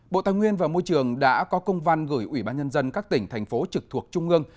bộ tài nguyên và môi trường đã có công văn gửi ủy ban nhân dân các tỉnh thành phố trực thuộc trung ương